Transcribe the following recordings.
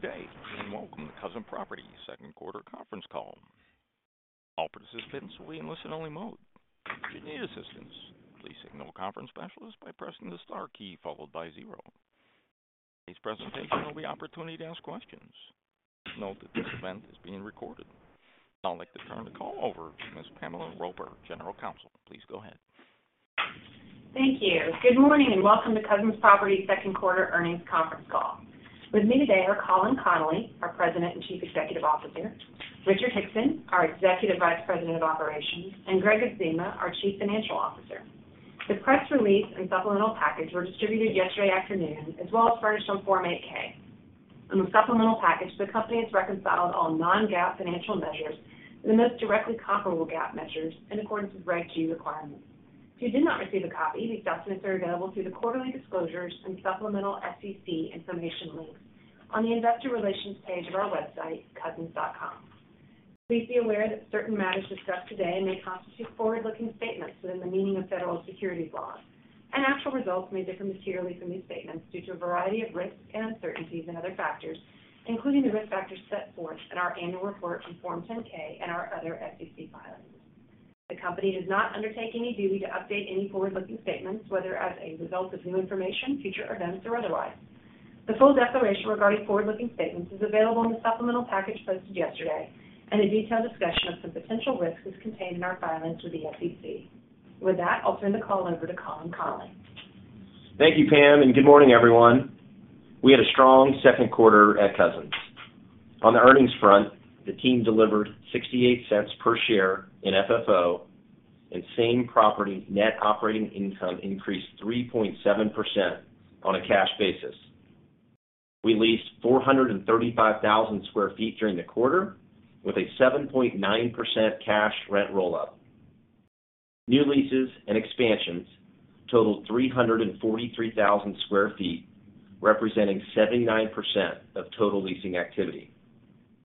Good day. Welcome to Cousins Properties second quarter conference call. All participants will be in listen-only mode. If you need assistance, please signal a conference specialist by pressing the star key followed by zero. Today's presentation will be opportunity to ask questions. Note that this event is being recorded. Now, I'd like to turn the call over to Ms. Pamela Roper, General Counsel. Please go ahead. Thank you. Good morning, and welcome to Cousins Properties second quarter earnings conference call. With me today are Colin Connolly, our President and Chief Executive Officer; Richard Hickson, our Executive Vice President of Operations; and Gregg Adzema, our Chief Financial Officer. The press release and supplemental package were distributed yesterday afternoon, as well as furnished on Form 8-K. In the supplemental package, the company has reconciled all non-GAAP financial measures to the most directly comparable GAAP measures in accordance with Reg G requirements. If you did not receive a copy, these documents are available through the quarterly disclosures and supplemental SEC information links on the Investor Relations page of our website, cousins.com. Please be aware that certain matters discussed today may constitute forward-looking statements within the meaning of federal securities laws, and actual results may differ materially from these statements due to a variety of risks and uncertainties and other factors, including the risk factors set forth in our annual report on Form 10-K and our other SEC filings. The company does not undertake any duty to update any forward-looking statements, whether as a result of new information, future events, or otherwise. The full declaration regarding forward-looking statements is available in the supplemental package posted yesterday, and a detailed discussion of the potential risks is contained in our filings with the SEC. With that, I'll turn the call over to Colin Connolly. Thank you, Pam. Good morning, everyone. We had a strong second quarter at Cousins. On the earnings front, the team delivered $0.68 per share in FFO. Same-property net operating income increased 3.7% on a cash basis. We leased 435,000 sq ft during the quarter, with a 7.9% cash rent rollout. New leases and expansions totaled 343,000 sq ft, representing 79% of total leasing activity.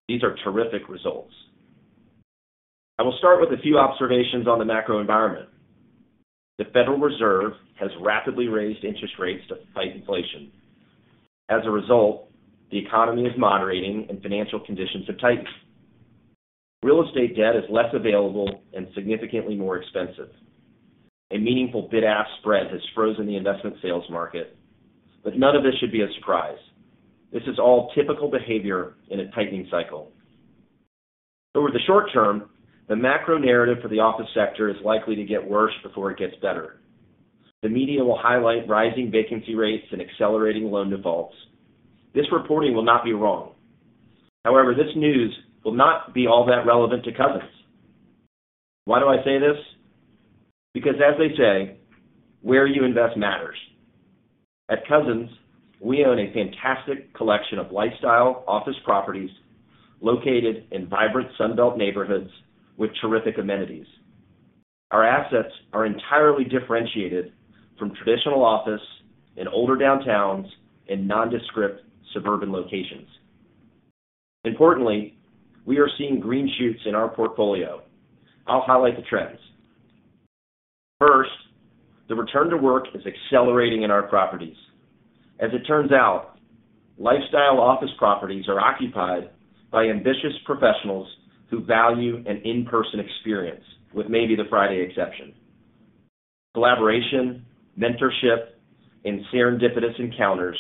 These are terrific results. I will start with a few observations on the macro environment. The Federal Reserve has rapidly raised interest rates to fight inflation. As a result, the economy is moderating and financial conditions have tightened. Real estate debt is less available and significantly more expensive. A meaningful bid-ask spread has frozen the investment sales market. None of this should be a surprise. This is all typical behavior in a tightening cycle. Over the short term, the macro narrative for the office sector is likely to get worse before it gets better. The media will highlight rising vacancy rates and accelerating loan defaults. This reporting will not be wrong. However, this news will not be all that relevant to Cousins. Why do I say this? Because as they say, where you invest matters. At Cousins, we own a fantastic collection of lifestyle office properties located in vibrant Sun Belt neighborhoods with terrific amenities. Our assets are entirely differentiated from traditional office in older downtowns and nondescript suburban locations. Importantly, we are seeing green shoots in our portfolio. I'll highlight the trends. First, the return to work is accelerating in our properties. As it turns out, lifestyle office properties are occupied by ambitious professionals who value an in-person experience, with maybe the Friday exception. Collaboration, mentorship, and serendipitous encounters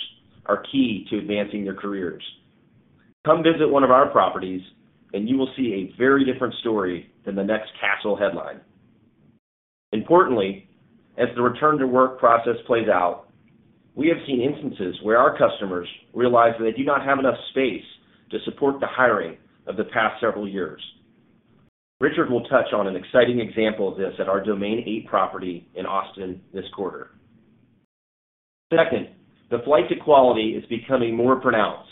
are key to advancing their careers. Come visit one of our properties and you will see a very different story than the next Kastle headline. Importantly, as the return to work process plays out, we have seen instances where our customers realize that they do not have enough space to support the hiring of the past several years. Richard will touch on an exciting example of this at our Domain 8 property in Austin this quarter. Second, the flight to quality is becoming more pronounced.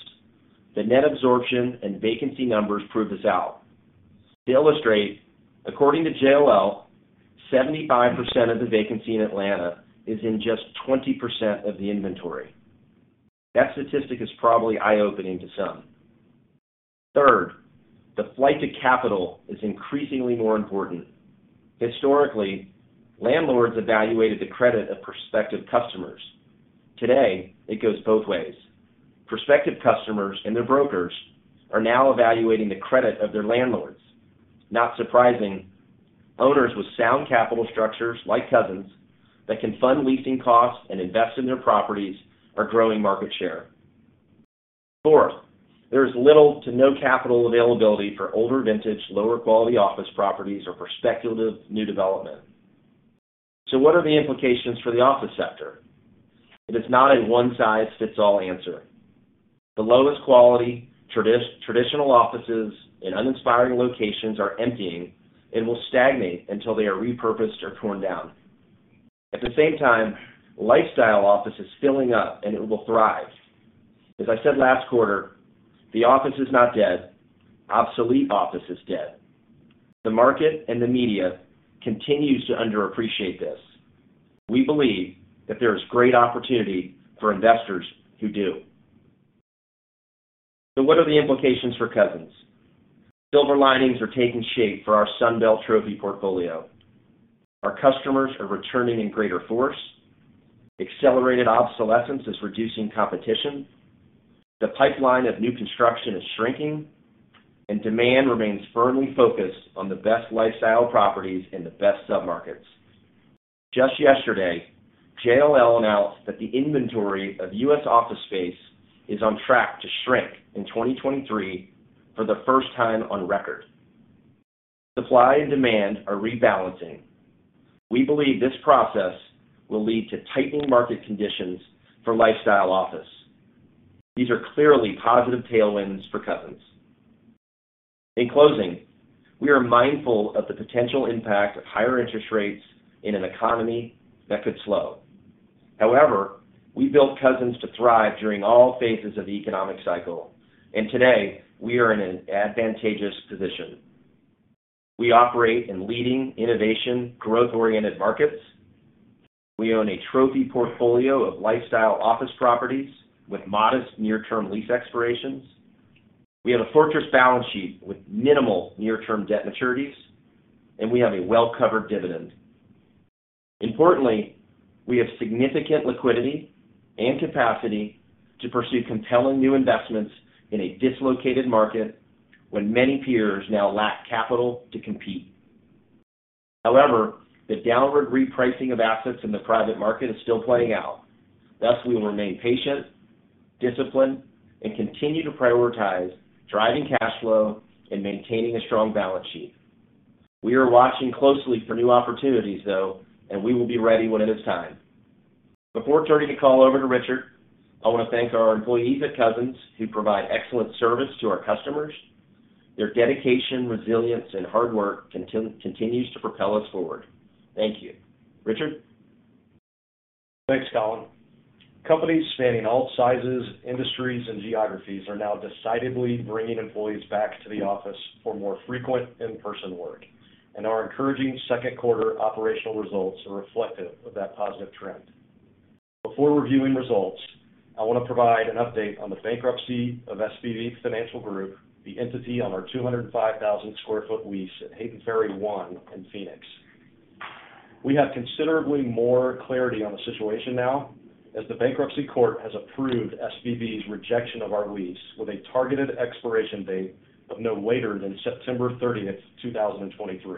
The net absorption and vacancy numbers prove this out. To illustrate, according to JLL, 75% of the vacancy in Atlanta is in just 20% of the inventory. That statistic is probably eye-opening to some. Third, the flight to capital is increasingly more important. Historically, landlords evaluated the credit of prospective customers. Today, it goes both ways. Prospective customers and their brokers are now evaluating the credit of their landlords. Not surprising, owners with sound capital structures, like Cousins, that can fund leasing costs and invest in their properties, are growing market share. Fourth, there is little to no capital availability for older vintage, lower-quality office properties or for speculative new development. What are the implications for the office sector? It is not a one-size-fits-all answer. The lowest quality, traditional offices in uninspiring locations are emptying and will stagnate until they are repurposed or torn down. At the same time, lifestyle office is filling up, and it will thrive. As I said last quarter, the office is not dead. Obsolete office is dead. The market and the media continues to underappreciate this. We believe that there is great opportunity for investors who do. What are the implications for Cousins? Silver linings are taking shape for our Sun Belt trophy portfolio. Our customers are returning in greater force. Accelerated obsolescence is reducing competition. The pipeline of new construction is shrinking. Demand remains firmly focused on the best lifestyle properties in the best submarkets. Just yesterday, JLL announced that the inventory of U.S. office space is on track to shrink in 2023 for the first time on record. Supply and demand are rebalancing. We believe this process will lead to tightening market conditions for lifestyle office. These are clearly positive tailwinds for Cousins. In closing, we are mindful of the potential impact of higher interest rates in an economy that could slow. However, we built Cousins to thrive during all phases of the economic cycle. Today, we are in an advantageous position. We operate in leading innovation, growth-oriented markets. We own a trophy portfolio of lifestyle office properties with modest near-term lease expirations. We have a fortress balance sheet with minimal near-term debt maturities, and we have a well-covered dividend. Importantly, we have significant liquidity and capacity to pursue compelling new investments in a dislocated market when many peers now lack capital to compete. However, the downward repricing of assets in the private market is still playing out. Thus, we will remain patient, disciplined, and continue to prioritize driving cash flow and maintaining a strong balance sheet. We are watching closely for new opportunities, though, and we will be ready when it is time. Before turning the call over to Richard, I want to thank our employees at Cousins, who provide excellent service to our customers. Their dedication, resilience, and hard work continues to propel us forward. Thank you. Richard? Thanks, Colin Connolly. Companies spanning all sizes, industries, and geographies are now decidedly bringing employees back to the office for more frequent in-person work, and our encouraging second quarter operational results are reflective of that positive trend. Before reviewing results, I want to provide an update on the bankruptcy of SVB Financial Group, the entity on our 205,000 sq ft lease at Hayden Ferry 1 in Phoenix. We have considerably more clarity on the situation now, as the bankruptcy court has approved SVB's rejection of our lease with a targeted expiration date of no later than September 30th, 2023.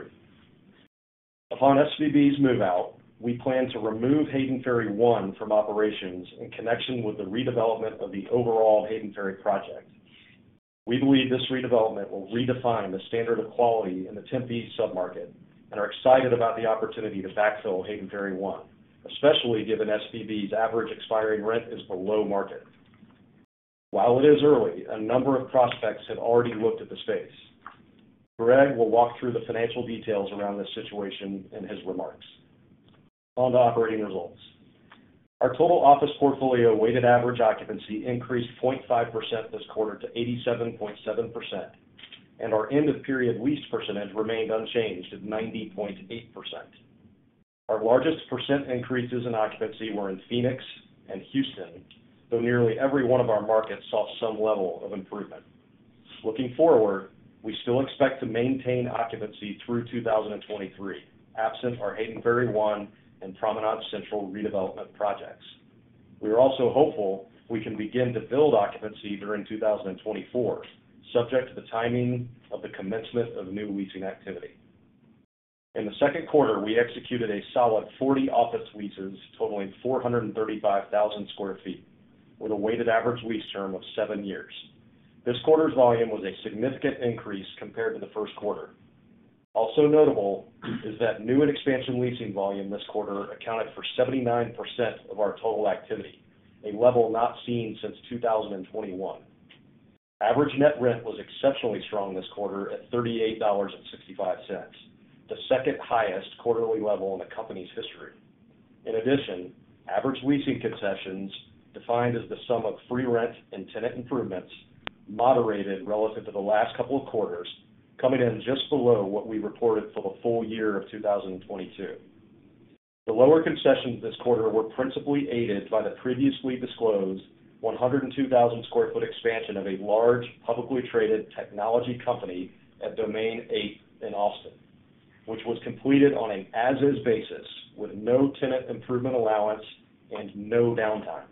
Upon SVB's move-out, we plan to remove Hayden Ferry 1 from operations in connection with the redevelopment of the overall Hayden Ferry project. We believe this redevelopment will redefine the standard of quality in the Tempe submarket and are excited about the opportunity to backfill Hayden Ferry 1, especially given SVB's average expiring rent is below market. Gregg will walk through the financial details around this situation in his remarks. On to operating results. Our total office portfolio weighted average occupancy increased 0.5% this quarter to 87.7%, and our end-of-period lease percentage remained unchanged at 90.8%. Our largest percent increases in occupancy were in Phoenix and Houston, though nearly every one of our markets saw some level of improvement. Looking forward, we still expect to maintain occupancy through 2023, absent our Hayden Ferry 1 and Promenade Central redevelopment projects. We are also hopeful we can begin to build occupancy during 2024, subject to the timing of the commencement of new leasing activity. In the second quarter, we executed a solid 40 office leases, totaling 435,000 sq ft, with a weighted average lease term of seven years. This quarter's volume was a significant increase compared to the first quarter. Notable is that new and expansion leasing volume this quarter accounted for 79% of our total activity, a level not seen since 2021. Average net rent was exceptionally strong this quarter at $38.65, the second highest quarterly level in the company's history. In addition, average leasing concessions, defined as the sum of free rent and tenant improvements, moderated relative to the last couple of quarters, coming in just below what we reported for the full year of 2022. The lower concessions this quarter were principally aided by the previously disclosed 102,000 sq ft expansion of a large, publicly traded technology company at Domain 8 in Austin, which was completed on an as-is basis with no tenant improvement allowance and no downtime.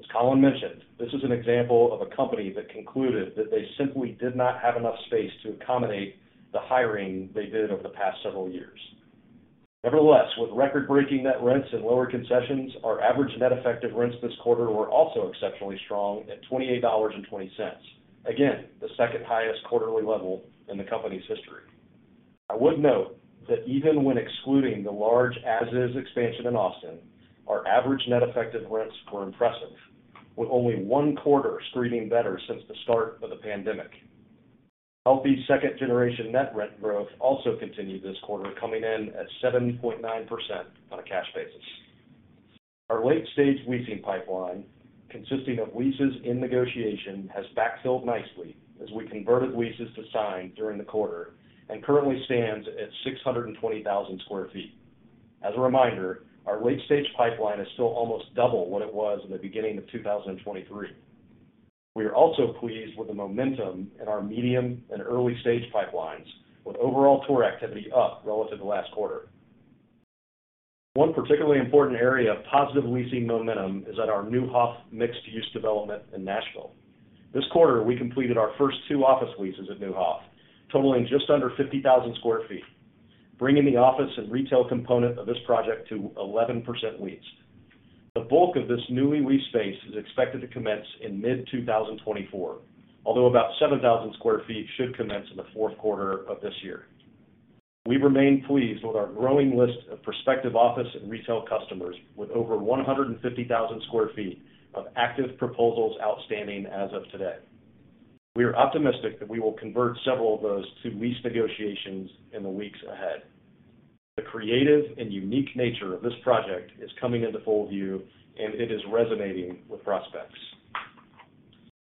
As Colin mentioned, this is an example of a company that concluded that they simply did not have enough space to accommodate the hiring they did over the past several years. Nevertheless, with record-breaking net rents and lower concessions, our average net effective rents this quarter were also exceptionally strong at $28.20. Again, the second highest quarterly level in the company's history. I would note that even when excluding the large as-is expansion in Austin, our average net effective rents were impressive, with only one quarter screening better since the start of the pandemic. Healthy second-generation net rent growth also continued this quarter, coming in at 7.9% on a cash basis. Our late-stage leasing pipeline, consisting of leases in negotiation, has backfilled nicely as we converted leases to sign during the quarter and currently stands at 620,000 sq ft. As a reminder, our late-stage pipeline is still almost double what it was in the beginning of 2023. We are also pleased with the momentum in our medium and early-stage pipelines, with overall tour activity up relative to last quarter. One particularly important area of positive leasing momentum is at our Neuhoff mixed-use development in Nashville. This quarter, we completed our first two office leases at Neuhoff, totaling just under 50,000 sq ft, bringing the office and retail component of this project to 11% leased. The bulk of this newly leased space is expected to commence in mid-2024, although about 7,000 sq ft should commence in the fourth quarter of this year. We remain pleased with our growing list of prospective office and retail customers, with over 150,000 sq ft of active proposals outstanding as of today. We are optimistic that we will convert several of those to lease negotiations in the weeks ahead. The creative and unique nature of this project is coming into full view, and it is resonating with prospects.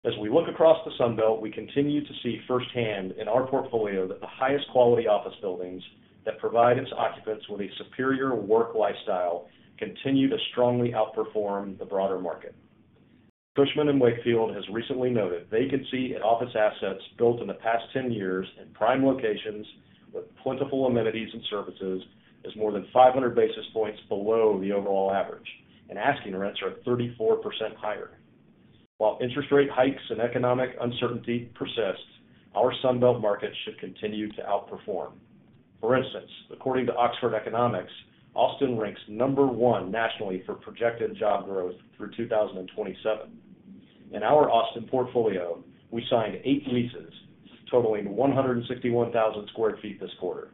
As we look across the Sun Belt, we continue to see firsthand in our portfolio that the highest quality office buildings that provide its occupants with a superior work lifestyle continue to strongly outperform the broader market. Cushman & Wakefield has recently noted vacancy in office assets built in the past 10 years in prime locations, with plentiful amenities and services, is more than 500 basis points below the overall average, and asking rents are 34% higher. While interest rate hikes and economic uncertainty persist, our Sun Belt market should continue to outperform. For instance, according to Oxford Economics, Austin ranks number one nationally for projected job growth through 2027. In our Austin portfolio, we signed eight leases totaling 161,000 sq ft this quarter,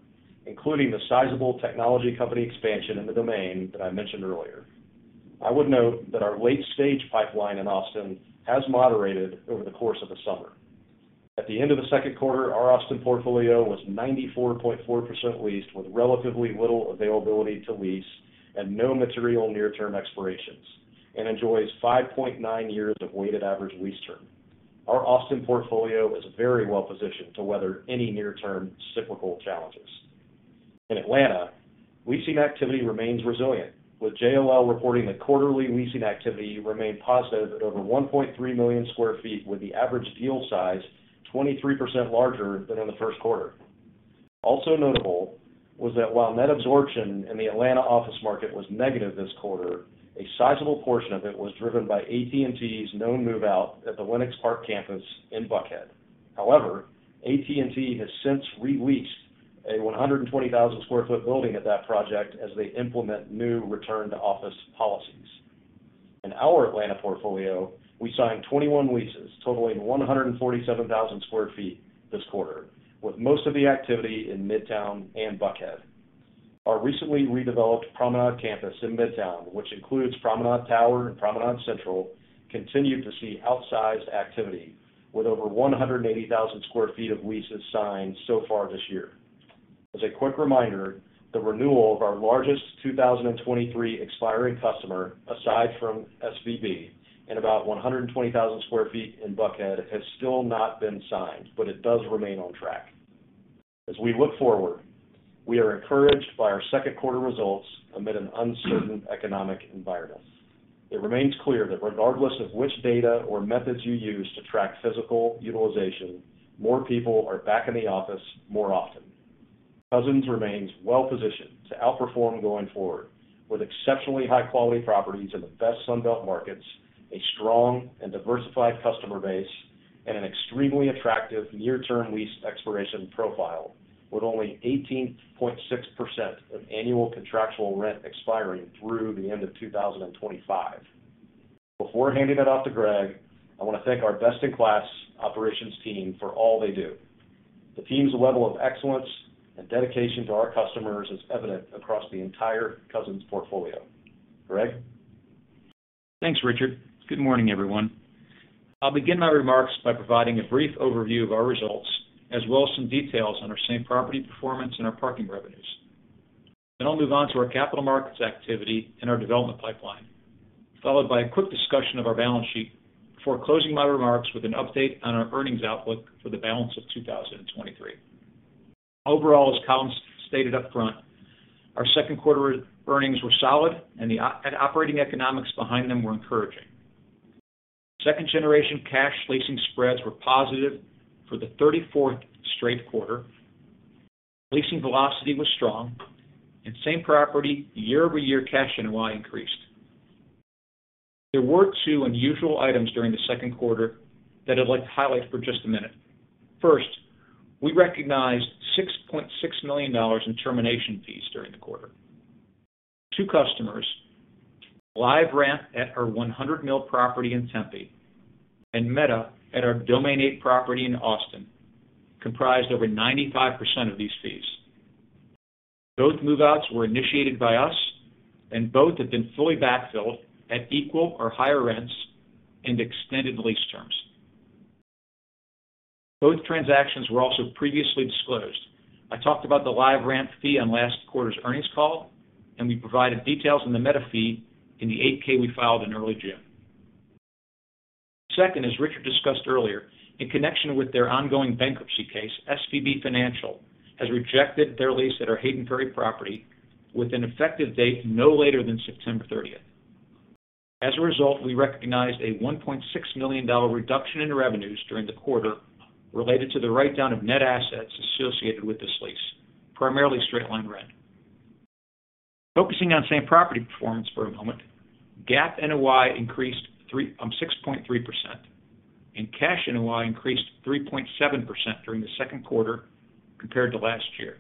including the sizable technology company expansion in the Domain that I mentioned earlier. I would note that our late-stage pipeline in Austin has moderated over the course of the summer. At the end of the second quarter, our Austin portfolio was 94.4% leased, with relatively little availability to lease and no material near-term expirations, and enjoys 5.9 years of weighted average lease term. Our Austin portfolio is very well positioned to weather any near-term cyclical challenges. In Atlanta, leasing activity remains resilient, with JLL reporting that quarterly leasing activity remained positive at over 1.3 million sq ft, with the average deal size 23% larger than in the first quarter. Also notable was that while net absorption in the Atlanta office market was negative this quarter, a sizable portion of it was driven by AT&T's known move-out at the Lenox Park campus in Buckhead. However, AT&T has since re-leased a 120,000 sq ft building at that project as they implement new return-to-office policies. In our Atlanta portfolio, we signed 21 leases totaling 147,000 sq ft this quarter, with most of the activity in Midtown and Buckhead. Our recently redeveloped Promenade Campus in Midtown, which includes Promenade Tower and Promenade Central, continued to see outsized activity, with over 180,000 sq ft of leases signed so far this year. As a quick reminder, the renewal of our largest 2023 expiring customer, aside from SVB, and about 120,000 sq ft in Buckhead, has still not been signed, but it does remain on track. As we look forward, we are encouraged by our second quarter results amid an uncertain economic environment. It remains clear that regardless of which data or methods you use to track physical utilization, more people are back in the office more often. Cousins remains well positioned to outperform going forward with exceptionally high-quality properties in the best Sun Belt markets, a strong and diversified customer base, and an extremely attractive near-term lease expiration profile, with only 18.6% of annual contractual rent expiring through the end of 2025. Before handing it off to Greg, I want to thank our best-in-class operations team for all they do. The team's level of excellence and dedication to our customers is evident across the entire Cousins portfolio. Greg? Thanks, Richard. Good morning, everyone. I'll begin my remarks by providing a brief overview of our results, as well as some details on our same property performance and our parking revenues. I'll move on to our capital markets activity and our development pipeline, followed by a quick discussion of our balance sheet before closing my remarks with an update on our earnings outlook for the balance of 2023. Overall, as Collins stated up front, our second quarter earnings were solid and operating economics behind them were encouraging. Second-generation cash leasing spreads were positive for the 34th straight quarter. Leasing velocity was strong, and same property year-over-year cash NOI increased. There were two unusual items during the second quarter that I'd like to highlight for just a minute. First, we recognized $6.6 million in termination fees during the quarter. Two customers, LiveRamp at our 100 Mill property in Tempe, and Meta at our Domain 8 property in Austin, comprised over 95% of these fees. Both move-outs were initiated by us, both have been fully backfilled at equal or higher rents and extended lease terms. Both transactions were also previously disclosed. I talked about the LiveRamp fee on last quarter's earnings call, and we provided details on the Meta fee in the 8-K we filed in early June. Second, as Richard discussed earlier, in connection with their ongoing bankruptcy case, SVB Financial has rejected their lease at our Hayden Ferry property with an effective date no later than September 30th. As a result, we recognized a $1.6 million reduction in revenues during the quarter related to the write down of net assets associated with this lease, primarily straight line rent. Focusing on same property performance for a moment, GAAP NOI increased 6.3%, and cash NOI increased 3.7% during the second quarter compared to last year.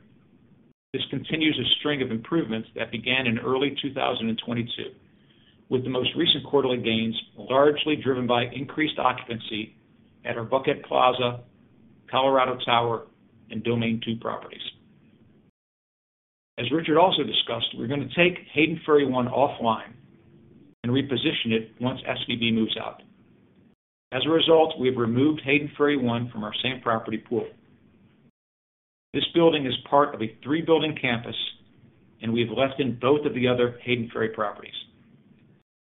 This continues a string of improvements that began in early 2022, with the most recent quarterly gains largely driven by increased occupancy at our Buckhead Plaza, Colorado Tower, and Domain 2 properties. As Richard also discussed, we're going to take Hayden Ferry 1 offline and reposition it once SVB moves out. As a result, we have removed Hayden Ferry 1 from our same property pool. This building is part of a three-building campus, and we've left in both of the other Hayden Ferry properties.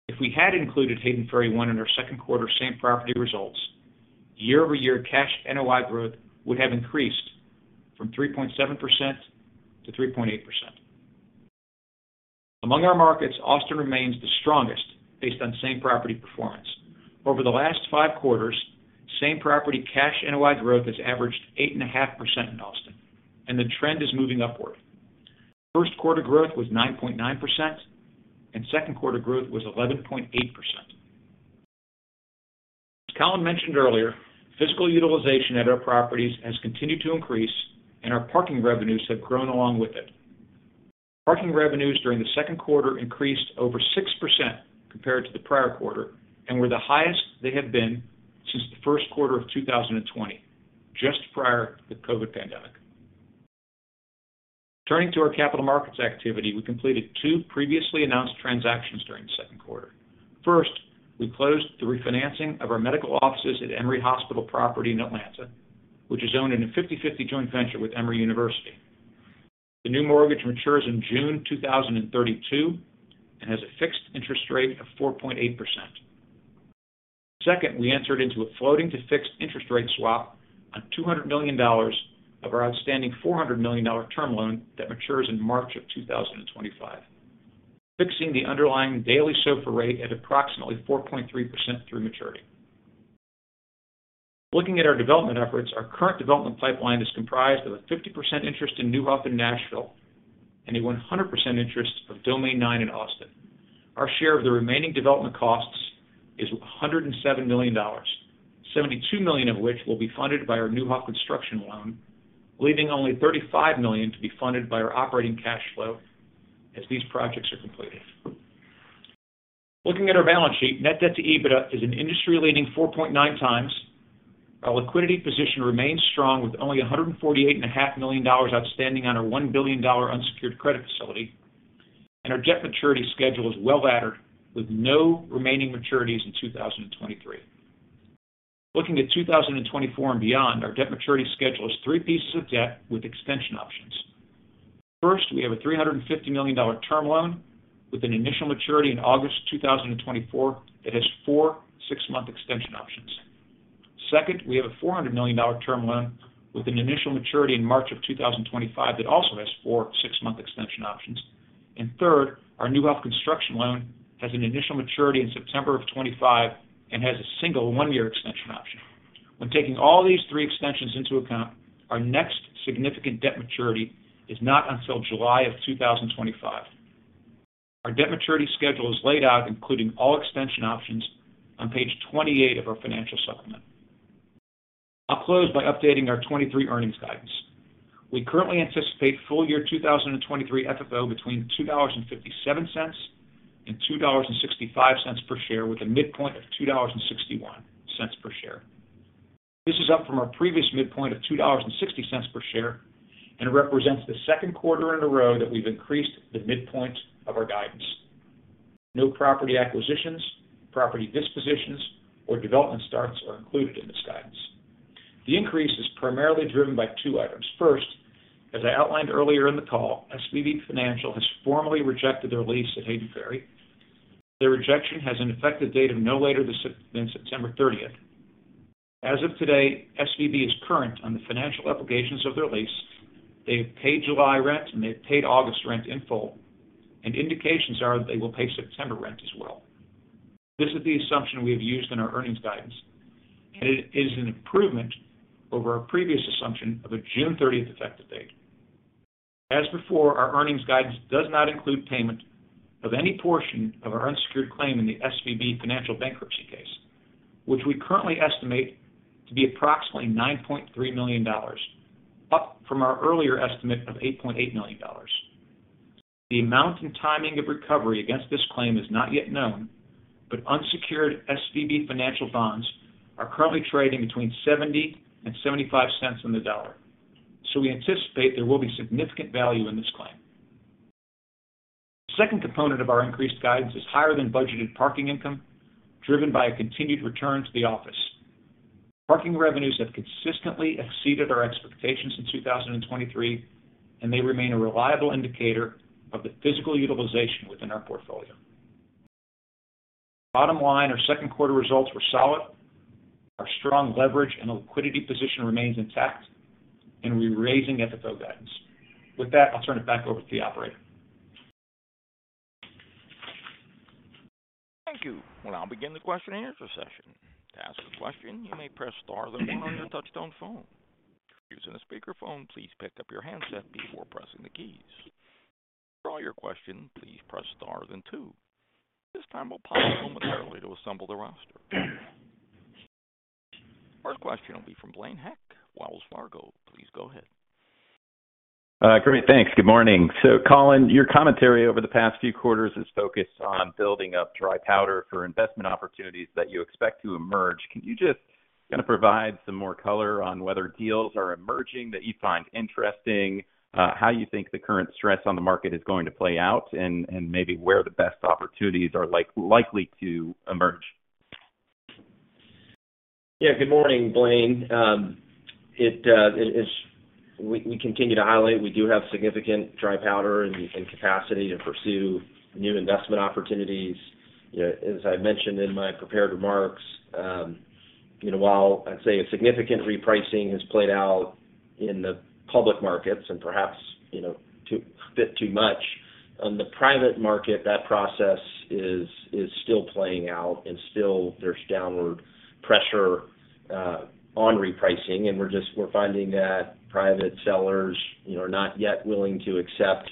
If we had included Hayden Ferry 1 in our second quarter same property results, year-over-year cash NOI growth would have increased from 3.7%-3.8%. Among our markets, Austin remains the strongest based on same property performance. Over the last five quarters, same property cash NOI growth has averaged 8.5% in Austin, and the trend is moving upward. First quarter growth was 9.9%, and second quarter growth was 11.8%. As Colin mentioned earlier, physical utilization at our properties has continued to increase, and our parking revenues have grown along with it. Parking revenues during the second quarter increased over 6% compared to the prior quarter and were the highest they have been since the first quarter of 2020, just prior to the COVID pandemic. Turning to our capital markets activity, we completed two previously announced transactions during the second quarter. First, we closed the refinancing of our medical offices at Emory Hospital property in Atlanta, which is owned in a 50/50 joint venture with Emory University. The new mortgage matures in June 2032, and has a fixed interest rate of 4.8%. Second, we entered into a floating to fixed interest rate swap on $200 million of our outstanding $400 million term loan that matures in March 2025, fixing the underlying daily SOFR rate at approximately 4.3% through maturity. Looking at our development efforts, our current development pipeline is comprised of a 50% interest in Neuhoff in Nashville and a 100% interest of Domain 9 in Austin. Our share of the remaining development costs is $107 million, $72 million of which will be funded by our Neuhoff construction loan, leaving only $35 million to be funded by our operating cash flow as these projects are completed. Looking at our balance sheet, net debt to EBITDA is an industry-leading 4.9x. Our liquidity position remains strong, with only $148.5 million outstanding on our $1 billion unsecured credit facility. Our debt maturity schedule is well-laddered, with no remaining maturities in 2023. Looking at 2024 and beyond, our debt maturity schedule is three pieces of debt with extension options. First, we have a $350 million term loan with an initial maturity in August 2024, that has four six-month extension options. Second, we have a $400 million term loan with an initial maturity in March of 2025, that also has four six-month extension options. Third, our Neuhoff construction loan has an initial maturity in September of 2025 and has a single 1-year extension option. When taking all these three extensions into account, our next significant debt maturity is not until July of 2025. Our debt maturity schedule is laid out, including all extension options on page 28 of our financial supplement. I'll close by updating our 2023 earnings guidance. We currently anticipate full year 2023 FFO between $2.57 and $2.65 per share, with a midpoint of $2.61 per share. This is up from our previous midpoint of $2.60 per share. It represents the 2nd quarter in a row that we've increased the midpoint of our guidance. No property acquisitions, property dispositions, or development starts are included in this guidance. The increase is primarily driven by two items. First, as I outlined earlier in the call, SVB Financial has formally rejected their lease at Hayden Ferry. Their rejection has an effective date of no later than September 30th. As of today, SVB is current on the financial obligations of their lease. They have paid July rent. They've paid August rent in full. Indications are that they will pay September rent as well. This is the assumption we have used in our earnings guidance. It is an improvement over our previous assumption of a June 30th effective date. As before, our earnings guidance does not include payment of any portion of our unsecured claim in the SVB Financial bankruptcy case, which we currently estimate to be approximately $9.3 million, up from our earlier estimate of $8.8 million. The amount and timing of recovery against this claim is not yet known, unsecured SVB Financial bonds are currently trading between $0.70 and $0.75 on the dollar, we anticipate there will be significant value in this claim. The second component of our increased guidance is higher than budgeted parking income, driven by a continued return to the office. Parking revenues have consistently exceeded our expectations in 2023, and they remain a reliable indicator of the physical utilization within our portfolio. Bottom line, our second quarter results were solid. Our strong leverage and liquidity position remains intact, and we're raising FFO guidance. With that, I'll turn it back over to the operator. Thank you. We'll now begin the question and answer session. To ask a question, you may press star then one on your touchtone phone. If you're using a speakerphone, please pick up your handset before pressing the keys. To withdraw your question, please press star then two. At this time, we'll pause momentarily to assemble the roster. First question will be from Blaine Heck, Wells Fargo. Please go ahead. Great. Thanks. Good morning. Colin, your commentary over the past few quarters is focused on building up dry powder for investment opportunities that you expect to emerge. Can you just kind of provide some more color on whether deals are emerging that you find interesting, how you think the current stress on the market is going to play out, and, and maybe where the best opportunities are likely to emerge? Yeah, good morning, Blaine. We continue to highlight, we do have significant dry powder and capacity to pursue new investment opportunities. As I mentioned in my prepared remarks, you know, while I'd say a significant repricing has played out in the public markets and perhaps, you know, too, a bit too much, on the private market, that process is still playing out, and still there's downward pressure on repricing. We're finding that private sellers, you know, are not yet willing to accept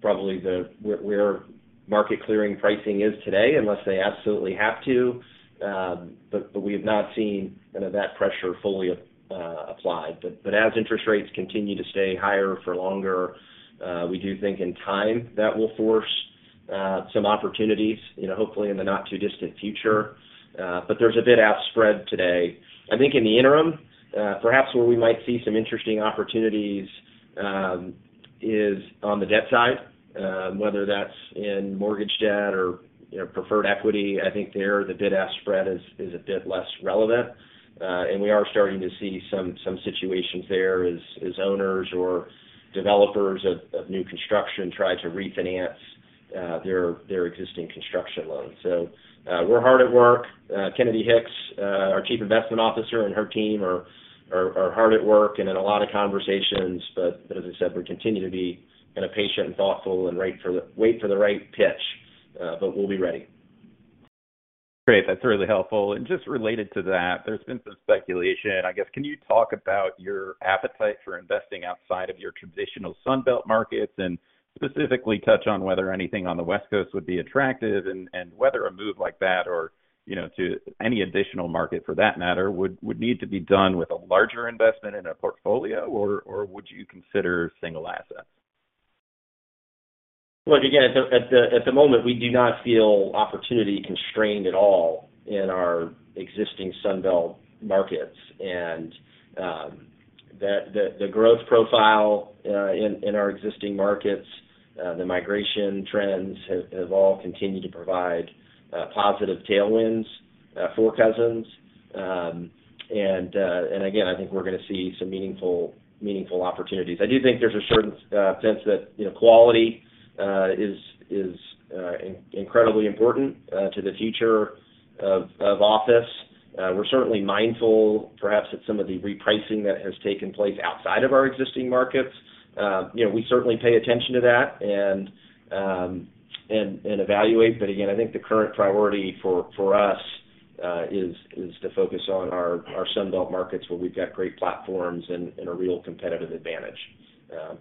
probably where market clearing pricing is today, unless they absolutely have to. But we have not seen kind of that pressure fully applied. But as interest rates continue to stay higher for longer, we do think in time that will force some opportunities, you know, hopefully in the not-too-distant future, but there's a bid-ask spread today. I think in the interim, perhaps where we might see some interesting opportunities, is on the debt side, whether that's in mortgage debt or, you know, preferred equity. I think there, the bid-ask spread is a bit less relevant, and we are starting to see some situations there as owners or developers of new construction try to refinance their existing construction loans. We're hard at work. Kennedy Hicks, our Chief Investment Officer, and her team are, are, are hard at work and in a lot of conversations. As I said, we continue to be kind of patient and thoughtful and wait for the right pitch, but we'll be ready. Great, that's really helpful. Just related to that, there's been some speculation. I guess, can you talk about your appetite for investing outside of your traditional Sun Belt markets? Specifically, touch on whether anything on the West Coast would be attractive and, and whether a move like that or, you know, to any additional market for that matter, would, would need to be done with a larger investment in a portfolio, or, or would you consider single assets? Look, again, at the moment, we do not feel opportunity constrained at all in our existing Sun Belt markets. The growth profile in our existing markets, the migration trends have all continued to provide positive tailwinds for Cousins. Again, I think we're gonna see some meaningful, meaningful opportunities. I do think there's a certain sense that, you know, quality is incredibly important to the future of office. We're certainly mindful, perhaps, at some of the repricing that has taken place outside of our existing markets. You know, we certainly pay attention to that and evaluate. Again, I think the current priority for, for us, is, is to focus on our, our Sun Belt markets, where we've got great platforms and, and a real competitive advantage.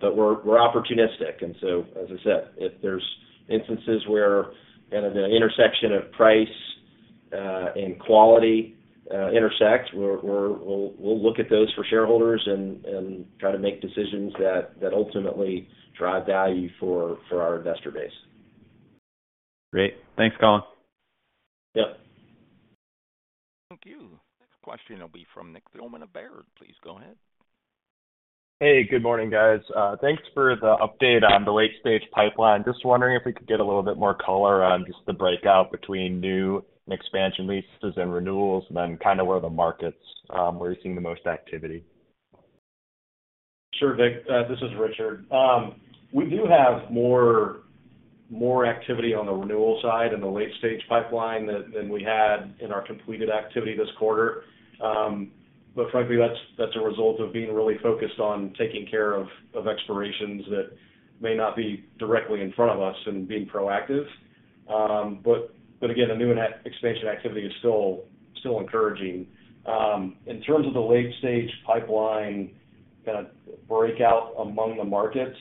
We're opportunistic, and so as I said, if there's instances where kind of the intersection of price, and quality, intersect, we'll look at those for shareholders and, and try to make decisions that, that ultimately drive value for, for our investor base. Great. Thanks, Colin. Yep. Thank you. Next question will be from Nick Thillman of Baird. Please go ahead. Hey, good morning, guys. Thanks for the update on the late-stage pipeline. Just wondering if we could get a little bit more color on just the breakout between new and expansion leases and renewals, and then kind of where the markets, where you're seeing the most activity? Sure, Nick, this is Richard. We do have more, more activity on the renewal side in the late-stage pipeline than, than we had in our completed activity this quarter. Frankly, that's, that's a result of being really focused on taking care of, of expirations that may not be directly in front of us and being proactive. Again, the new and expansion activity is still, still encouraging. In terms of the late-stage pipeline kind of breakout among the markets,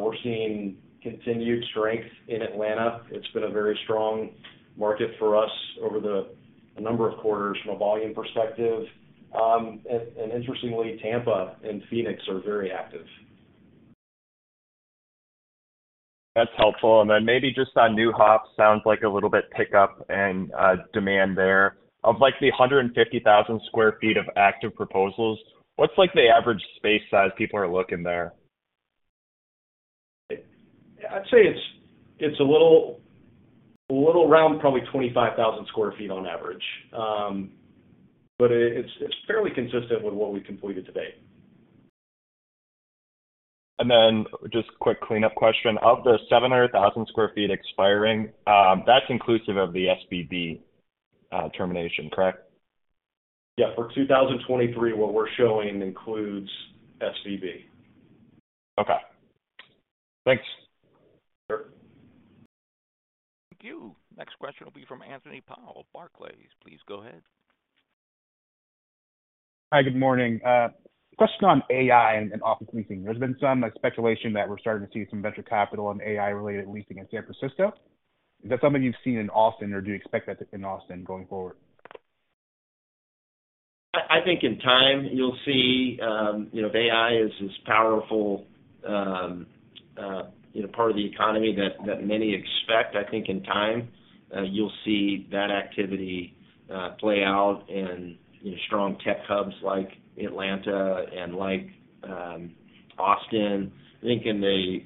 we're seeing continued strength in Atlanta. It's been a very strong market for us over the number of quarters from a volume perspective. Interestingly, Tampa and Phoenix are very active. That's helpful. Then maybe just on Neuhoff, sounds like a little bit pickup and demand there. Of like the 150,000 sq ft of active proposals, what's like the average space size people are looking there? I'd say it's a little around probably 25,000 sq ft on average. It's fairly consistent with what we completed to date. Then just quick cleanup question: Of the 700,000 sq ft expiring, that's inclusive of the SVB termination, correct? Yeah, for 2023, what we're showing includes SVB. Okay. Thanks. Sure. Thank you. Next question will be from Anthony Powell, Barclays. Please go ahead. Hi, good morning. Question on AI and office leasing. There's been some, like, speculation that we're starting to see some venture capital on AI-related leasing in San Francisco. Is that something you've seen in Austin, or do you expect that in Austin going forward? I think in time you'll see, you know, AI as this powerful, you know, part of the economy that many expect. I think in time, you'll see that activity play out in, you know, strong tech hubs like Atlanta and like Austin. I think in the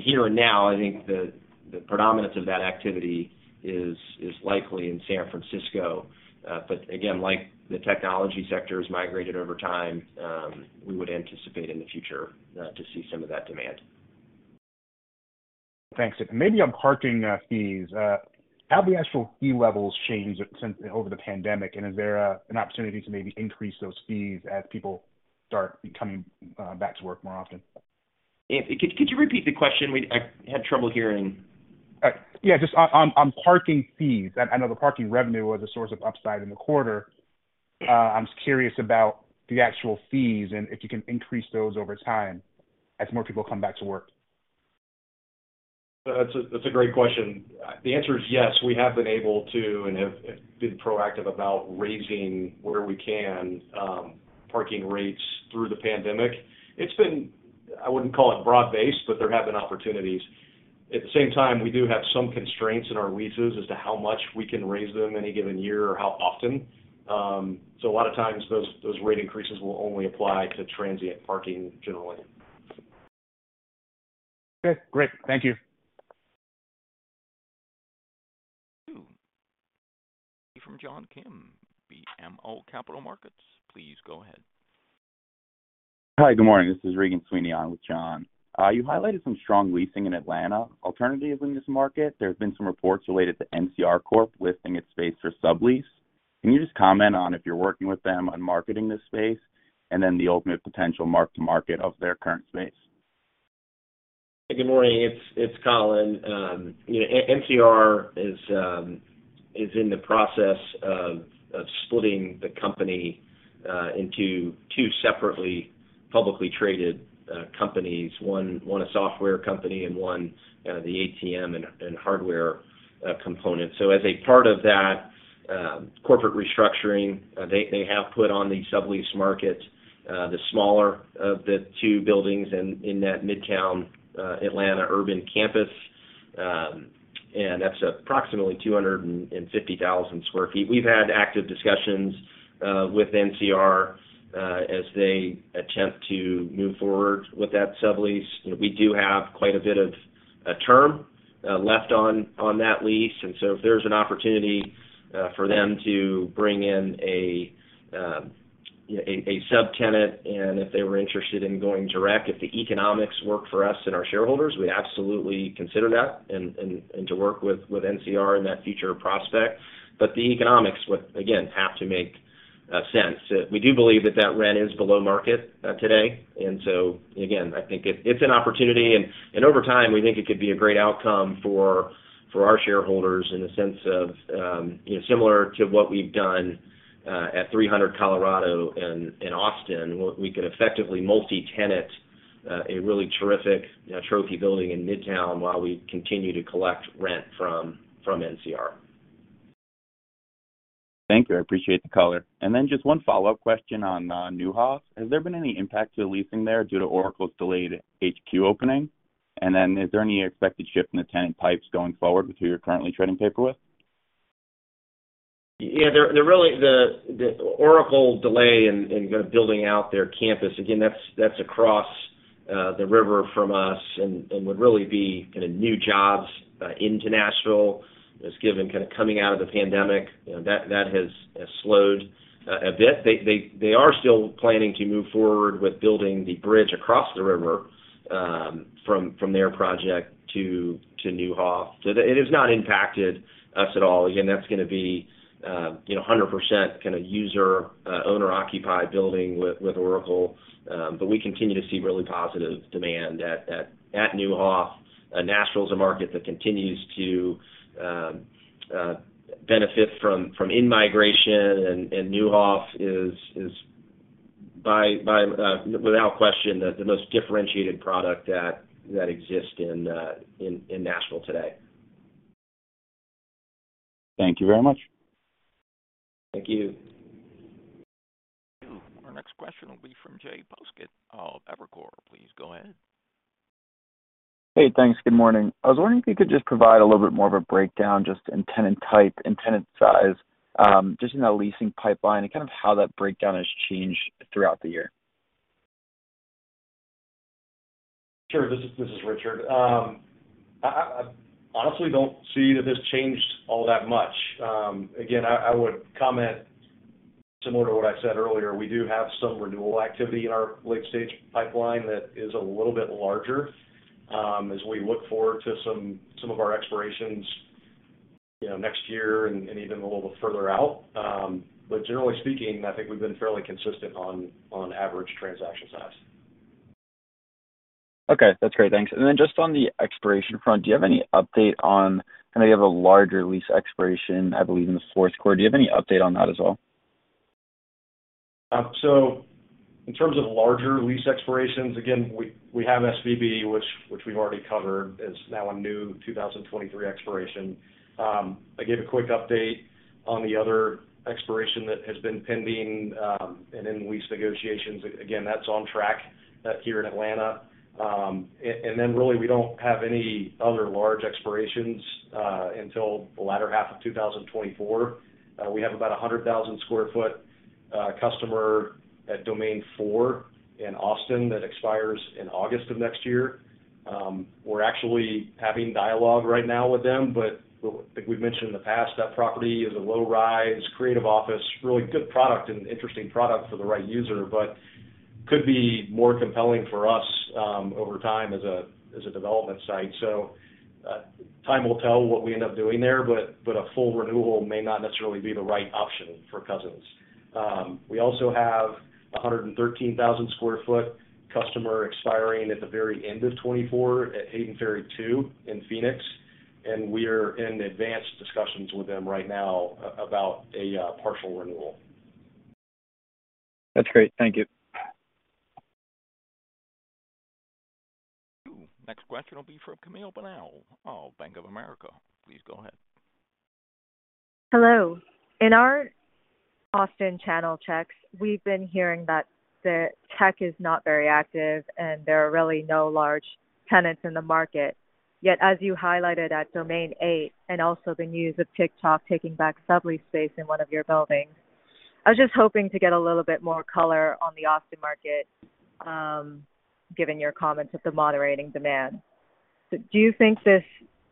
here and now, I think the predominance of that activity is likely in San Francisco. But again, like the technology sector has migrated over time, we would anticipate in the future to see some of that demand. Thanks. Maybe on parking fees. How have the actual fee levels changed since-- over the pandemic? Is there an opportunity to maybe increase those fees as people start coming back to work more often? Could, could you repeat the question? I had trouble hearing. Yeah, just on, on, on parking fees. I, I know the parking revenue was a source of upside in the quarter. I'm just curious about the actual fees and if you can increase those over time as more people come back to work. That's a, that's a great question. The answer is yes, we have been able to and have, have been proactive about raising, where we can, parking rates through the pandemic. It's been, I wouldn't call it broad-based, but there have been opportunities. At the same time, we do have some constraints in our leases as to how much we can raise them any given year or how often. A lot of times those, those rate increases will only apply to transient parking generally. Okay, great. Thank you. From John Kim, BMO Capital Markets. Please go ahead. Hi, good morning. This is Regan Sweeney on with John. You highlighted some strong leasing in Atlanta. Alternatively, in this market, there have been some reports related to NCR Corp. listing its space for sublease. Can you just comment on if you're working with them on marketing this space, and then the ultimate potential mark-to-market of their current space? Good morning, it's, it's Colin. You know, N-NCR is in the process of, of splitting the company into two separately publicly traded companies, one, one a software company and one the ATM and, and hardware component. As a part of that corporate restructuring, they, they have put on the sublease market the smaller of the two buildings in, in that Midtown, Atlanta urban campus, and that's approximately 250,000 sq ft. We've had active discussions with NCR as they attempt to move forward with that sublease. We do have quite a bit of a term left on, on that lease, so if there's an opportunity for them to bring in a subtenant, if they were interested in going direct, if the economics work for us and our shareholders, we'd absolutely consider that and to work with NCR in that future prospect. The economics would, again, have to make sense. We do believe that that rent is below market today. Again, I think it, it's an opportunity, and, and over time, we think it could be a great outcome for, for our shareholders in the sense of, you know, similar to what we've done at 300 Colorado in Austin, where we could effectively multi-tenant a really terrific, you know, trophy building in Midtown while we continue to collect rent from, from NCR. Thank you. I appreciate the color. Just one follow-up question on Neuhoff. Has there been any impact to the leasing there due to Oracle's delayed HQ opening? Is there any expected shift in the tenant pipes going forward with who you're currently trading paper with? Yeah, there, there really the, the Oracle delay in, in kind of building out their campus, again, that's, that's across the river from us and, and would really be kind of new jobs into Nashville. As given kind of coming out of the pandemic, you know, that, that has, has slowed a bit. They, they, they are still planning to move forward with building the bridge across the river from, from their project to, to Neuhoff. It, it has not impacted us at all. Again, that's gonna be, you know, a 100% kind of user owner-occupied building with, with Oracle. We continue to see really positive demand at, at, at Neuhoff. Nashville is a market that continues to benefit from, from in-migration, and Neuhoff is, is by, by, without question, the, the most differentiated product that, that exists in, in Nashville today. Thank you very much. Thank you. Our next question will be from Jay Poskitt of Evercore. Please go ahead. Hey, thanks. Good morning. I was wondering if you could just provide a little bit more of a breakdown, just in tenant type and tenant size, just in that leasing pipeline, and kind of how that breakdown has changed throughout the year? Sure. This is, this is Richard. I, I, I honestly don't see that this changed all that much. Again, I, I would comment similar to what I said earlier, we do have some renewal activity in our late-stage pipeline that is a little bit larger, as we look forward to some, some of our expirations, you know, next year and, and even a little further out. Generally speaking, I think we've been fairly consistent on, on average transaction size. Okay, that's great. Thanks. Then just on the expiration front, do you have any update on-- I know you have a larger lease expiration, I believe, in the fourth quarter. Do you have any update on that as well? In terms of larger lease expirations, we have SVB, which we've already covered, is now a new 2023 expiration. I gave a quick update on the other expiration that has been pending and in lease negotiations. That's on track here in Atlanta. We don't have any other large expirations until the latter half of 2024. We have about a 100,000 sq ft customer at Domain 4 in Austin that expires in August of next year. We're actually having dialogue right now with them, but like we've mentioned in the past, that property is a low-rise, it's creative office, really good product and interesting product for the right user, but could be more compelling for us over time as a, as a development site. Time will tell what we end up doing there, but, but a full renewal may not necessarily be the right option for Cousins. We also have a 113,000 sq ft customer expiring at the very end of 2024 at Hayden Ferry 2 in Phoenix. We are in advanced discussions with them right now about a partial renewal. That's great. Thank you. Next question will be from Camille Bonnel of Bank of America. Please go ahead. Hello. In our Austin channel checks, we've been hearing that the tech is not very active, and there are really no large tenants in the market. Yet, as you highlighted at Domain 8, and also the news of TikTok taking back sublease space in one of your buildings, I was just hoping to get a little bit more color on the Austin market, given your comments of the moderating demand. Do you think this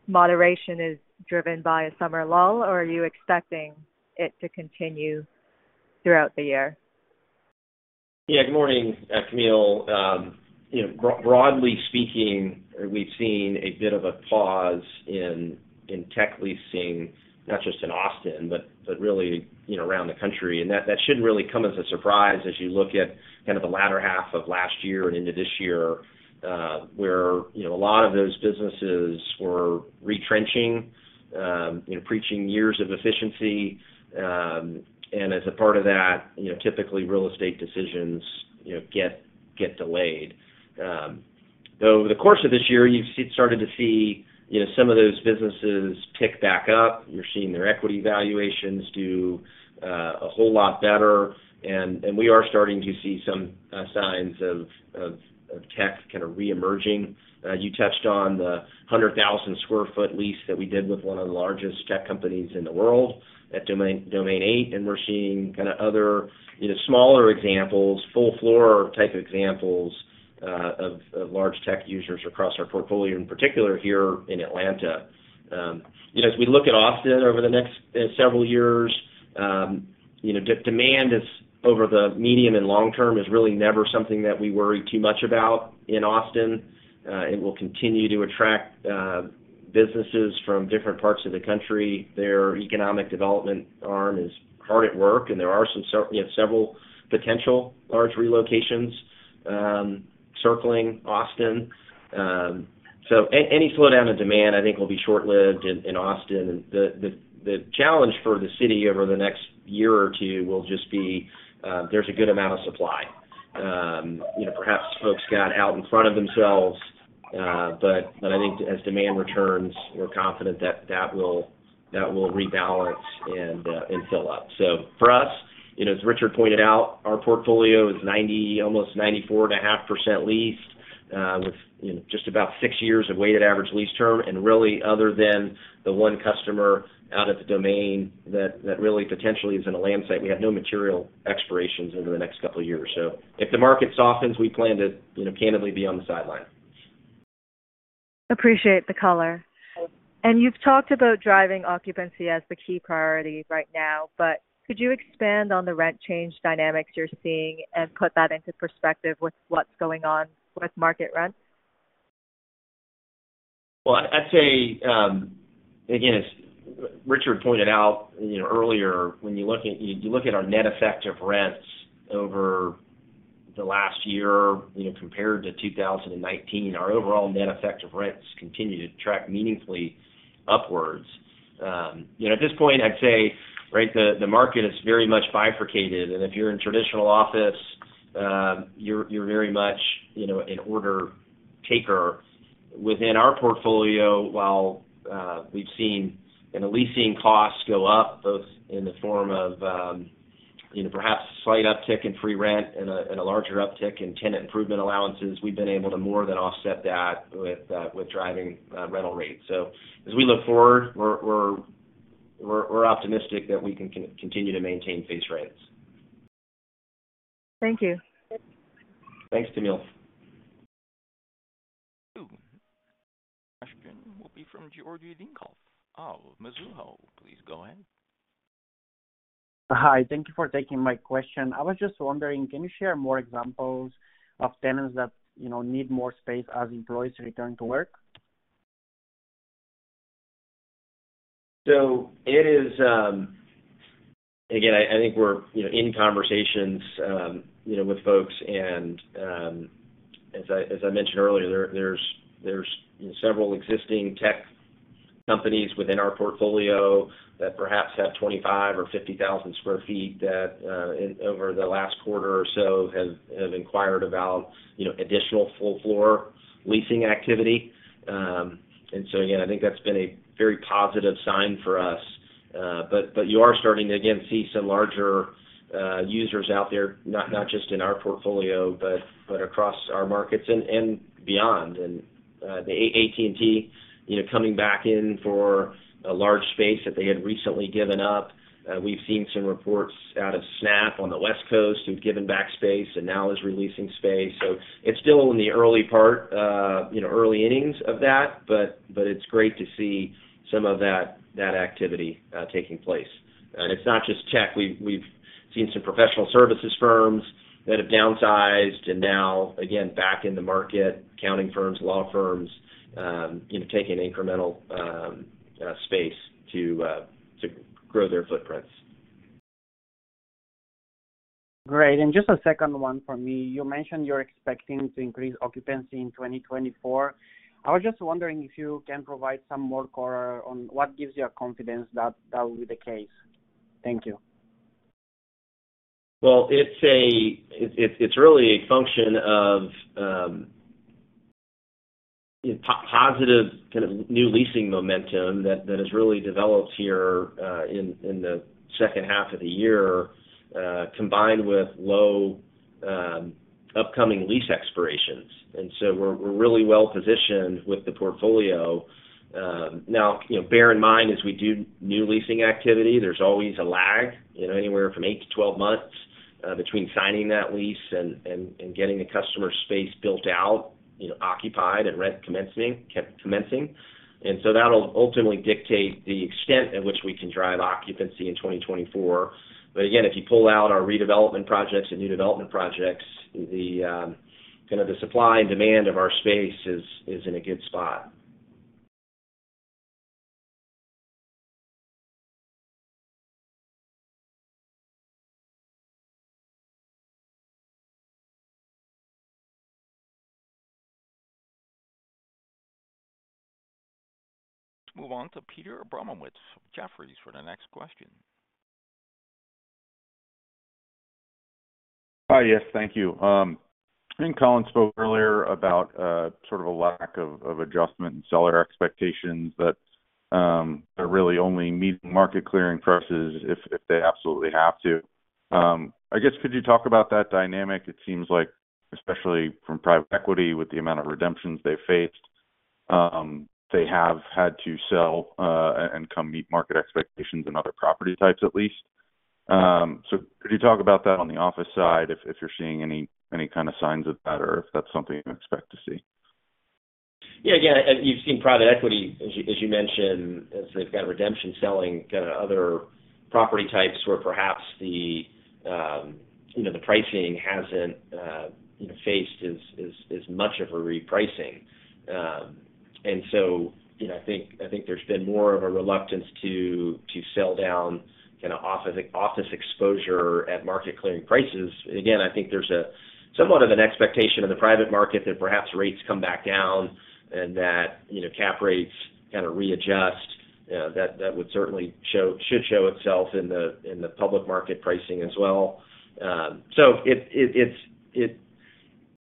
moderation is driven by a summer lull, or are you expecting it to continue throughout the year? Yeah, good morning, Camille. You know, broadly speaking, we've seen a bit of a pause in, in tech leasing, not just in Austin, but, but really, you know, around the country. That, that shouldn't really come as a surprise as you look at kind of the latter half of last year and into this year, where, you know, a lot of those businesses were retrenching, you know, preaching years of efficiency. As a part of that, you know, typically real estate decisions, you know, get, get delayed. Though, over the course of this year, you've started to see, you know, some of those businesses tick back up. You're seeing their equity valuations do a whole lot better, and we are starting to see some signs of, of, of tech kind of reemerging. You touched on the 100,000 sq ft lease that we did with one of the largest tech companies in the world at Domain, Domain 8, and we're seeing kind of other, you know, smaller examples, full floor type examples, of large tech users across our portfolio, in particular here in Atlanta. You know, as we look at Austin over the next several years, you know, demand is over the medium and long term, is really never something that we worry too much about in Austin. It will continue to attract businesses from different parts of the country. Their economic development arm is hard at work, and we have several potential large relocations, circling Austin. Any slowdown in demand, I think, will be short-lived in, in Austin. The, the, the challenge for the city over the next year or two will just be, there's a good amount of supply. You know, perhaps folks got out in front of themselves, but, but I think as demand returns, we're confident that, that will, that will rebalance and, and fill up. For us, you know, as Richard pointed out, our portfolio is 90, almost 94.5% leased, with, you know, just about six years of weighted average lease term. And really, other than the one customer out at the Domain, that, that really potentially is in a land site, we have no material expirations over the next couple of years. If the market softens, we plan to, you know, candidly be on the sideline. Appreciate the color. You've talked about driving occupancy as the key priority right now, but could you expand on the rent change dynamics you're seeing and put that into perspective with what's going on with market rents? Well, I'd say, again, as Richard pointed out, you know, earlier, when you look at our net effective rents over the last year, you know, compared to 2019, our overall net effective rents continue to track meaningfully upwards. You know, at this point, I'd say, right, the market is very much bifurcated, and if you're in traditional office, you're, you're very much, you know, an order taker. Within our portfolio, while we've seen, you know, leasing costs go up, both in the form of, you know, perhaps slight uptick in free rent and a, and a larger uptick in tenant improvement allowances, we've been able to more than offset that with driving rental rates. As we look forward, we're, we're, we're optimistic that we can continue to maintain base rates. Thank you. Thanks, Camille. Two. Question will be from Georgi Dinkov of Mizuho. Please go ahead. Hi. Thank you for taking my question. I was just wondering, can you share more examples of tenants that, you know, need more space as employees return to work? It is, again, I, I think we're, you know, in conversations, you know, with folks. As I, as I mentioned earlier, there, there's, there's several existing tech companies within our portfolio that perhaps have 25, 000 sq ft or 50,000 sq ft, that over the last quarter or so have, have inquired about, you know, additional full floor leasing activity. Again, I think that's been a very positive sign for us. But you are starting to again see some larger users out there, not, not just in our portfolio, but, but across our markets and, and beyond. The AT&T, you know, coming back in for a large space that they had recently given up. We've seen some reports out of Snap on the West Coast, who've given back space and now is releasing space. It's still in the early part, you know, early innings of that, but it's great to see some of that, that activity taking place. It's not just tech. We've, we've seen some professional services firms that have downsized and now, again, back in the market, accounting firms, law firms, you know, taking incremental space to grow their footprints. Great. Just a second one for me. You mentioned you're expecting to increase occupancy in 2024. I was just wondering if you can provide some more color on what gives you a confidence that that will be the case. Thank you. Well, it's a - it's really a function of positive kind of new leasing momentum that has really developed here in the second half of the year, combined with low upcoming lease expirations. So we're really well positioned with the portfolio. Now, you know, bear in mind, as we do new leasing activity, there's always a lag, you know, anywhere from 8-12 months, between signing that lease and getting the customer space built out, you know, occupied and rent commencing, commencing. So that'll ultimately dictate the extent at which we can drive occupancy in 2024. But again, if you pull out our redevelopment projects and new development projects, the kind of the supply and demand of our space is in a good spot. Let's move on to Peter Abramowitz from Jefferies for the next question. Hi, yes, thank you. I think Colin spoke earlier about sort of a lack of adjustment in seller expectations, but they're really only meeting market clearing prices if, if they absolutely have to. I guess, could you talk about that dynamic? It seems like, especially from private equity, with the amount of redemptions they faced, they have had to sell and come meet market expectations and other property types, at least. Could you talk about that on the office side, if, if you're seeing any, any kind of signs of that or if that's something you expect to see? Yeah. Yeah, you've seen private equity, as you, as you mentioned, as they've got redemption, selling kind of other property types where perhaps the, you know, the pricing hasn't, you know, faced as, as, as much of a repricing. So, you know, I think, I think there's been more of a reluctance to, to sell down kind of office, office exposure at market clearing prices. Again, I think there's a somewhat of an expectation in the private market that perhaps rates come back down and that, you know, cap rates kind of readjust. That, that would certainly should show itself in the, in the public market pricing as well. So, you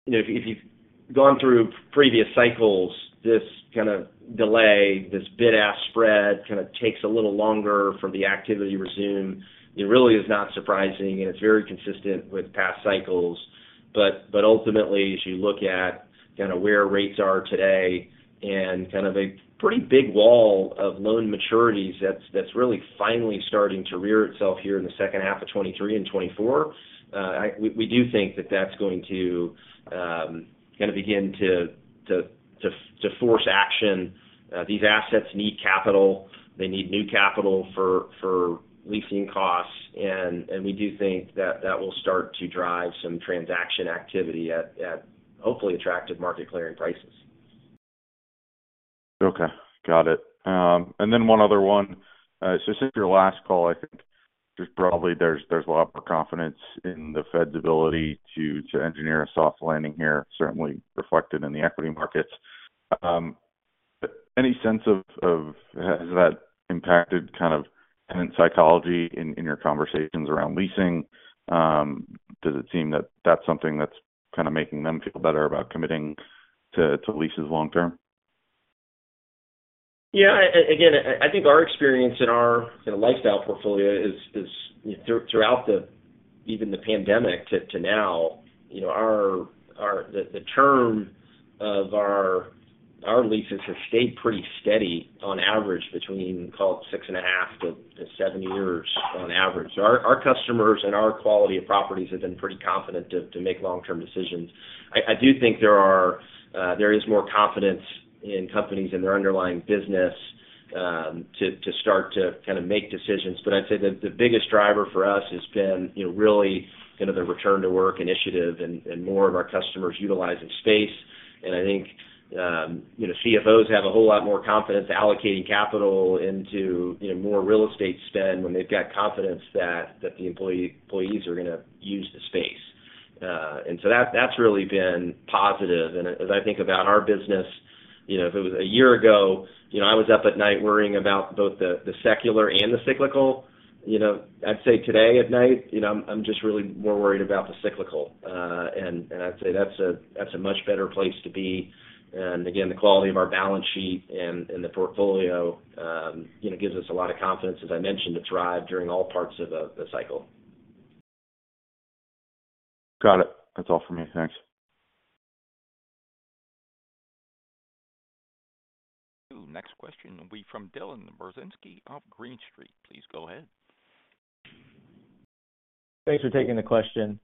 know, if you've gone through previous cycles, this kind of delay, this bid-ask spread, kind of takes a little longer for the activity to resume. It really is not surprising, and it's very consistent with past cycles. Ultimately, as you look at kind of where rates are today and kind of a pretty big wall of loan maturities, that's, that's really finally starting to rear itself here in the second half of 2023 and 2024, we, we do think that that's going to kind of begin to, to, to, to force action. These assets need capital. They need new capital for, for leasing costs. We do think that that will start to drive some transaction activity at, at, hopefully, attractive market clearing prices. Okay, got it. Then one other one. Since your last call, I think there's probably there's, there's a lot more confidence in the Fed's ability to, to engineer a soft landing here, certainly reflected in the equity markets. Any sense of, of, has that impacted kind of tenant psychology in, in your conversations around leasing? Does it seem that that's something that's kind of making them feel better about committing to, to leases long term? Yeah, again, I, I think our experience in our, in our lifestyle portfolio is, is throughout the, even the pandemic to, to now, you know, our, our, the, the term of our, our leases have stayed pretty steady on average, between call it 6.5 years-7 years on average. Our, our customers and our quality of properties have been pretty confident to, to make long-term decisions. I, I do think there are, there is more confidence in companies and their underlying business to, to start to kind of make decisions. I'd say the, the biggest driver for us has been, you know, really kind of the return to work initiative and, and more of our customers utilizing space. I think, you know, CFOs have a whole lot more confidence allocating capital into, you know, more real estate spend when they've got confidence that the employees are gonna use the space. That's really been positive. As I think about our business, you know, if it was a year ago, you know, I was up at night worrying about both the secular and the cyclical. You know, I'd say today at night, you know, I'm just really more worried about the cyclical. I'd say that's a much better place to be. Again, the quality of our balance sheet and the portfolio, you know, gives us a lot of confidence, as I mentioned, to thrive during all parts of the cycle. Got it. That's all for me. Thanks. Next question will be from Dylan Burzinski of Green Street. Please go ahead. Thanks for taking the question.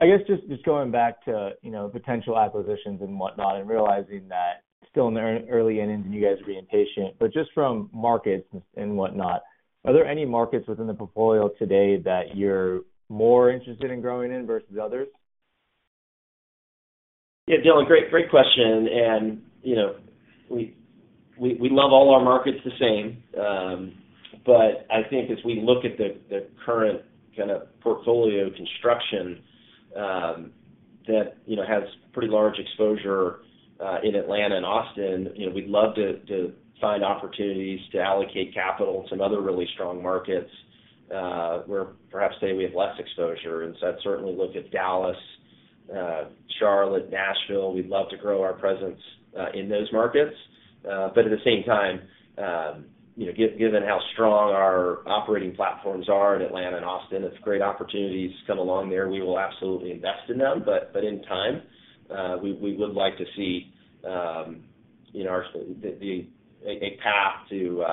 I guess just going back to, you know, potential acquisitions and whatnot, and realizing that it's still in the early innings, and you guys are being patient, but just from markets and whatnot, are there any markets within the portfolio today that you're more interested in growing in versus others? Yeah, Dylan, great, great question. You know, we, we, we love all our markets the same. I think as we look at the, the current kind of portfolio construction, that, you know, has pretty large exposure in Atlanta and Austin, you know, we'd love to find opportunities to allocate capital to some other really strong markets, where perhaps today we have less exposure. I'd certainly look at Dallas, Charlotte, Nashville. We'd love to grow our presence in those markets. At the same time, you know, given how strong our operating platforms are in Atlanta and Austin, if great opportunities come along there, we will absolutely invest in them. In time, we, we would like to see, you know, our... A path to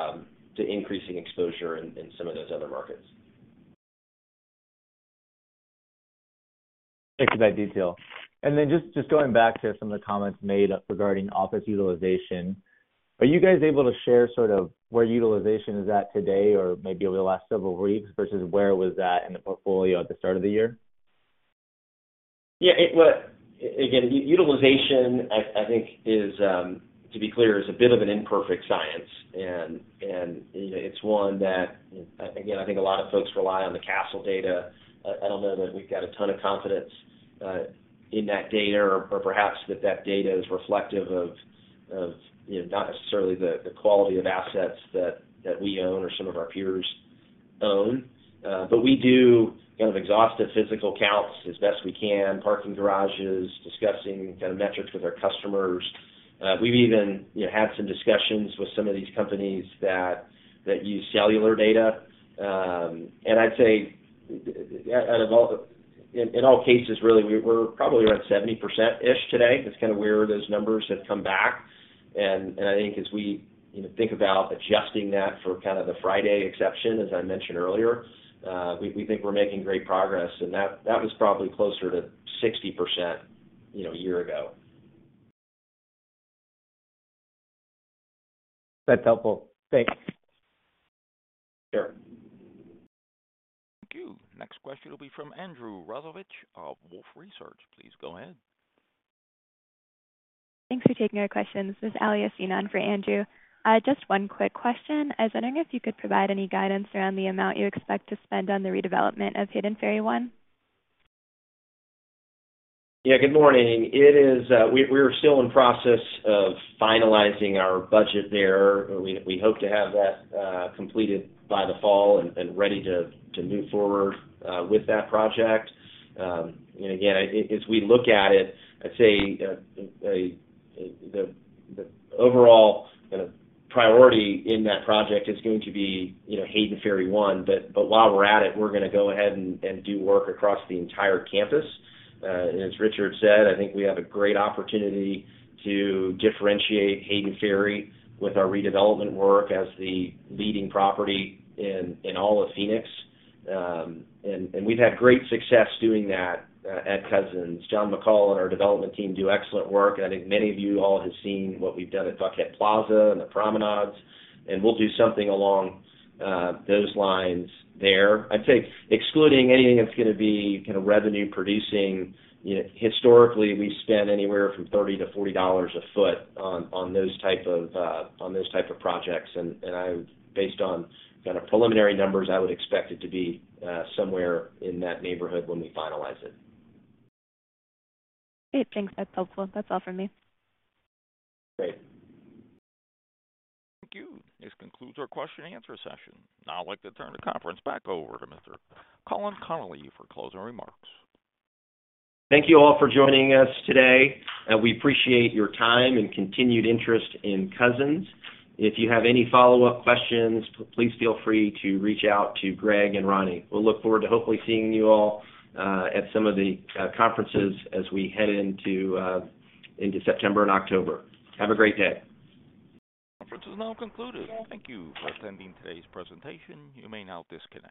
increasing exposure in some of those other markets. Thank you for that detail. Then just going back to some of the comments made regarding office utilization, are you guys able to share sort of where utilization is at today or maybe over the last several weeks versus where it was at in the portfolio at the start of the year? Well, again, utilization, I think is, to be clear, is a bit of an imperfect science. You know, it's one that, again, I think a lot of folks rely on the Kastle data. I don't know that we've got a ton of confidence in that data or perhaps that data is reflective of, you know, not necessarily the quality of assets that we own or some of our peers own. But we do kind of exhaustive physical counts as best we can, parking garages, discussing kind of metrics with our customers. We've even, you know, had some discussions with some of these companies that use cellular data. I'd say, in all cases, really, we're probably around 70%-ish today. That's kind of where those numbers have come back. I think as we, you know, think about adjusting that for kind of the Friday exception, as I mentioned earlier, we, we think we're making great progress, and that, that was probably closer to 60%, you know, a year ago. That's helpful. Thanks. Sure. Thank you. Next question will be from Andrew Rosivach of Wolfe Research. Please go ahead. Thanks for taking our question. This is Ally Yaseen for Andrew. Just one quick question. I was wondering if you could provide any guidance around the amount you expect to spend on the redevelopment of Hayden Ferry 1? Yeah, good morning. It is, we, we are still in process of finalizing our budget there. We, we hope to have that completed by the fall and, and ready to, to move forward with that project. Again, as, as we look at it, I'd say, the, the, the overall kind of priority in that project is going to be, you know, Hayden Ferry 1, but, but while we're at it, we're gonna go ahead and, and do work across the entire campus. As Richard said, I think we have a great opportunity to differentiate Hayden Ferry with our redevelopment work as the leading property in, in all of Phoenix. And, and we've had great success doing that at Cousins. John McColl and our development team do excellent work, and I think many of you all have seen what we've done at Buckhead Plaza and the Promenades, and we'll do something along those lines there. I'd say excluding anything that's gonna be kind of revenue-producing, you know, historically, we spend anywhere from $30-$40 a foot on, on those type of, on those type of projects. Based on kind of preliminary numbers, I would expect it to be somewhere in that neighborhood when we finalize it. Great. Thanks, that's helpful. That's all for me. Great. Thank you. This concludes our question and answer session. I'd like to turn the conference back over to Mr. Colin Connolly for closing remarks. Thank you all for joining us today. We appreciate your time and continued interest in Cousins. If you have any follow-up questions, please feel free to reach out to Gregg and Roni. We'll look forward to hopefully seeing you all at some of the conferences as we head into September and October. Have a great day. Conference is now concluded. Thank you for attending today's presentation. You may now disconnect.